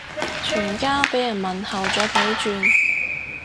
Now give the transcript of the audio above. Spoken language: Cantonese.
全家俾人問候咗幾轉